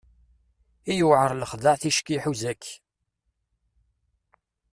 I yewɛer lexdeɛ ticki iḥuz-ak!